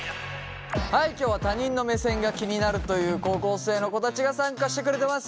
はい今日は他人の目線が気になるという高校生の子たちが参加してくれてます。